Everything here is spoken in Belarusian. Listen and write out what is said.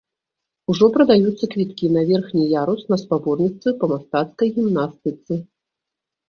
Ужо прадаюцца квіткі на верхні ярус на спаборніцтвы па мастацкай гімнастыцы.